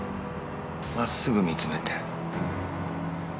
真っすぐ見つめて。